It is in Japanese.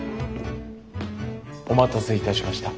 お待たせいたしました。